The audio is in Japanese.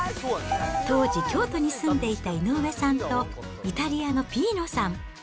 当時、京都に住んでいた井上さんと、イタリアのピーノさん。